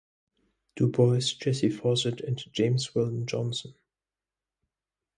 Du Bois, Jessie Fauset, and James Weldon Johnson.